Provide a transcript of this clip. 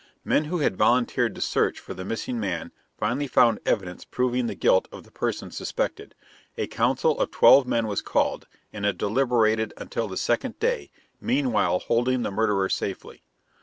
Men who had volunteered to search for the missing man finally found evidence proving the guilt of the person suspected. A council of twelve men was called, and it deliberated until the second day, meanwhile holding the murderer safely.